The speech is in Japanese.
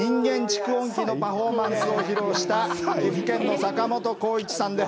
蓄音機のパフォーマンスを披露した岐阜県の坂本浩一さんです。